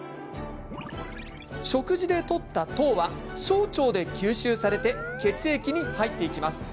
食事でとった糖は小腸で吸収されて血液に入っていきます。